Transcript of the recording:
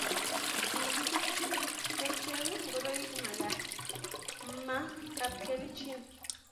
kikibitji kerchek ngoroik ma gaa, ma kapkerichen